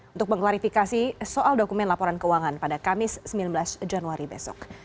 untuk mengklarifikasi soal dokumen laporan keuangan pada kamis sembilan belas januari besok